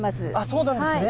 そうなんですね。